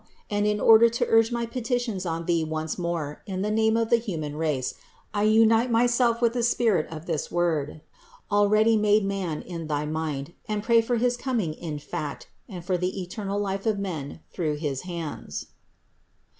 and in order to urge my petitions upon Thee once more in the name of the human race, I unite myself with the spirit of this Word, already made man in thy mind, and pray for his coming in fact and for the eternal life of men through his hands."